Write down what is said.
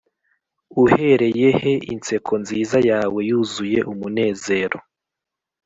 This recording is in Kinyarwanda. uhereye he inseko nziza yawe yuzuye umunezero?